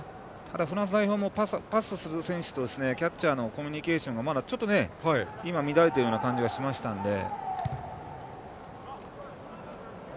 フランス代表のパスする選手とキャッチャーのコミュニケーションがまだ乱れている感じがしましたので。